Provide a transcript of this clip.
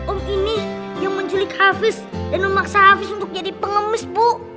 om ini yang menjelik hafiz dan memaksa hafiz untuk jadi pengemis bu